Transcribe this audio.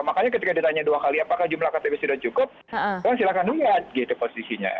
makanya ketika ditanya dua kali apakah jumlah ktp sudah cukup kan silahkan lihat gitu posisinya